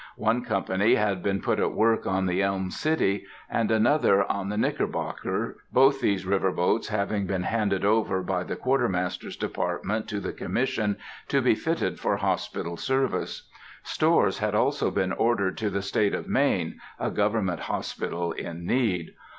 One company had been put at work on the Elm City, and another on the Knickerbocker, both these river boats having been handed over by the Quartermaster's Department to the Commission, to be fitted for hospital service. Stores had also been ordered to the State of Maine, a government hospital in need.